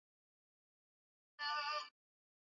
ya mambo ambayo mtu binafsi anaweza kufanya ili kupunguza